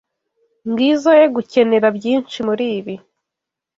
Ngizoe gukenera byinshi muribi.